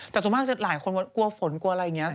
แต่ส่วนมากจะหลายคนกลัวฝนกลัวอะไรอย่างนี้